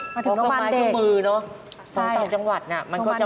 มาถึงโรงพยาบาลเด็กใช่โรงพยาบาลเด็กครับตอนจังหวัดน่ะมันก็จะไม่ครบ